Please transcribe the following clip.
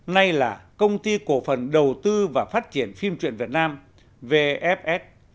nay là công ty cổ phần đầu tư và phát triển phim truyện việt nam vfs